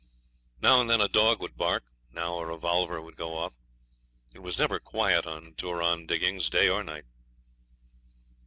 Now and then a dog would bark now a revolver would go off. It was never quiet on Turon diggings, day or night.